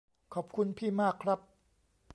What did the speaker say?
ขอบคุณพี่มากครับ